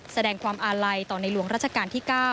แสดงความอาลัยต่อในหลวงราชการที่๙